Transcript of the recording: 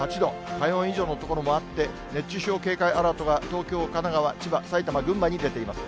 体温以上の所もあって、熱中症警戒アラートが東京、神奈川、千葉、埼玉、群馬に出ています。